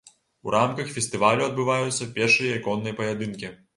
У рамках фестывалю адбываюцца пешыя і конныя паядынкі.